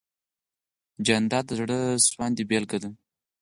جانداد د زړه سواندۍ بېلګه ده.